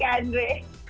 hai kak andre